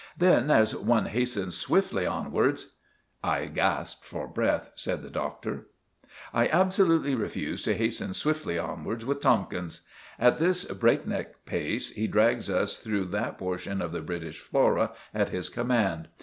Then, as one hastens swiftly onwards——' "I gasp for breath," said the Doctor; "I absolutely refuse to hasten swiftly onwards with Tomkins. At this breakneck pace he drags us through that portion of the British flora at his command.